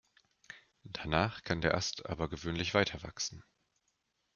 Danach kann der Ast aber gewöhnlich weiterwachsen.